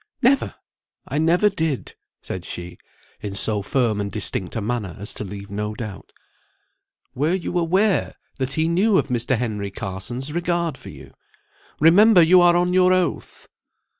"Never. I never did," said she, in so firm and distinct a manner as to leave no doubt. "Were you aware that he knew of Mr. Henry Carson's regard for you? Remember you are on your oath!"